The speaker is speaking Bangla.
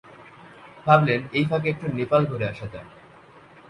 ভাবলেন, এই ফাঁকে একটু নেপাল ঘুরে আসা যাক।